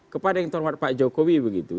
kepada yang terhormat pak jokowi begitu